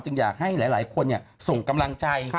อยากให้หลายคนส่งกำลังใจ